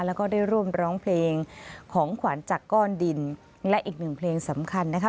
แล้วก็ได้ร่วมร้องเพลงของขวัญจากก้อนดินและอีกหนึ่งเพลงสำคัญนะคะ